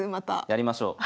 やりましょう。